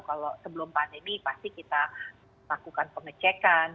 kalau sebelum pandemi pasti kita lakukan pengecekan